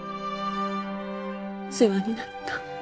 世話になった。